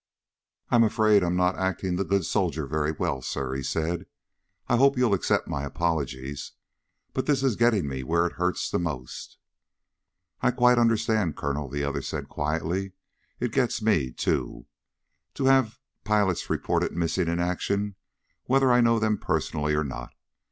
"I'm afraid I'm not acting the good soldier very well, sir," he said. "I hope you'll accept my apologies. But this is getting me where it hurts the most." "I quite understand, Colonel," the other said quietly. "It gets me, too, to have pilots reported missing in action, whether I know them personally or not.